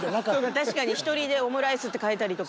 確かに１人で「オムライス」って書いたりとか。